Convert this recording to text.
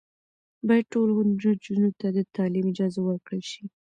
باید ټولو نجونو ته د تعلیم اجازه ورکړل شي.